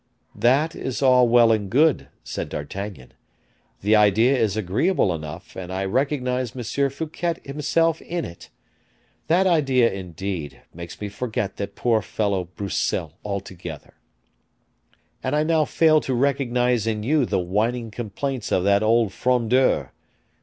"That is all well and good," said D'Artagnan; "the idea is agreeable enough, and I recognize M. Fouquet himself in it. That idea, indeed, makes me forget that poor fellow Broussel altogether; and I now fail to recognize in you the whining complaints of that old Frondeur.